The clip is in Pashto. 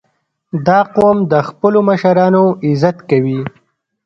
• دا قوم د خپلو مشرانو عزت کوي.